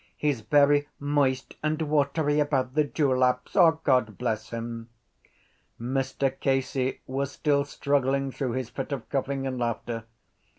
He’s very moist and watery about the dewlaps, God bless him. Mr Casey was still struggling through his fit of coughing and laughter.